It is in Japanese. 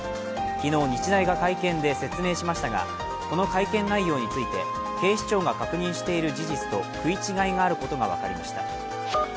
昨日日大が会見で、説明しましたがこの会見内容について、警視庁が確認している事実と食い違いがあることが分かりました。